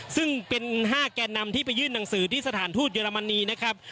ซึ่งเป็น๕แก่นำที่ไปยื่นหนังสือที่สถานทูตเยอรมนีนะครับ